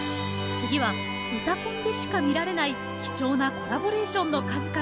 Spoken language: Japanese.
次は「うたコン」でしか見られない貴重なコラボレーションの数々。